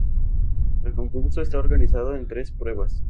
El concurso está organizado en tres pruebas.